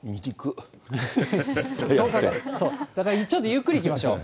だからちょっとゆっくりいきましょう。